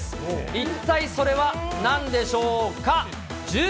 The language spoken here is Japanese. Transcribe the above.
一体それはなんでしょうか。